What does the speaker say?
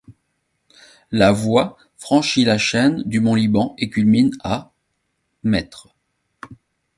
La voie franchit la chaîne du Mont-Liban et culmine à mètres.